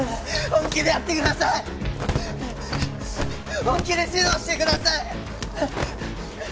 本気で指導してください！